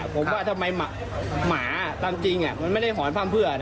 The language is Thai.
ผมว่าทำไมหมาตามจริงมันไม่ได้หอนพร่ำเพื่อ